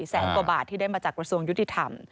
แสนกว่าบาทที่ได้มาจากกระทรวงยุติธรรม